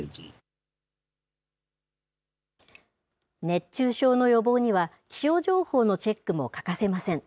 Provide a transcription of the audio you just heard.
熱中症の予防には、気象情報のチェックも欠かせません。